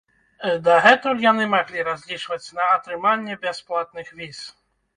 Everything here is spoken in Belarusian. Дагэтуль яны маглі разлічваць на атрыманне бясплатных віз.